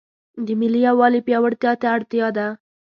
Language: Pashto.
د ملي یووالي پیاوړتیا ته اړتیا ده.